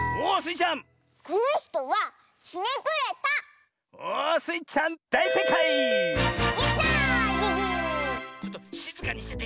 ちょっとしずかにしてて。